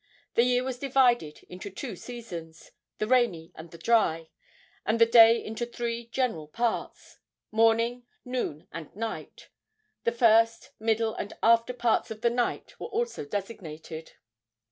The year was divided into two seasons the rainy and the dry and the day into three general parts, morning, noon and night. The first, middle and after parts of the night were also designated.